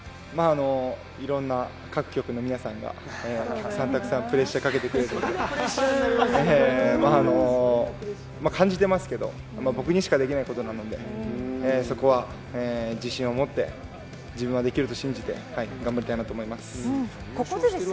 各局の皆さんが、たくさんプレッシャーかけてくれて感じていますけども僕にしかできないことなのでそこは自信を持って自分はできると信じて頑張りたいなと思います。